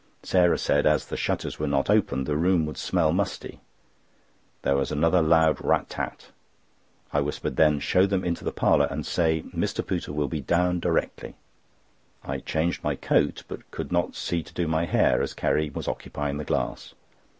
Sarah said, as the shutters were not opened, the room would smell musty. There was another loud rat tat. I whispered: "Then show them into the parlour, and say Mr. Pooter will be down directly." I changed my coat, but could not see to do my hair, as Carrie was occupying the glass.